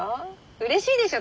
うれしいでしょ！